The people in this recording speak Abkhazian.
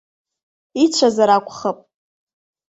Ицәазар акәхап.